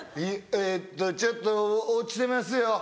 「えっとちょっと落ちてますよ